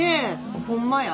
ホンマや。